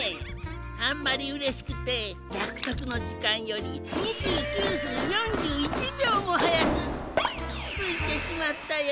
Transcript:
あんまりうれしくてやくそくのじかんより２９ふん４１びょうもはやくついてしまったよ。